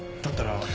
だったら。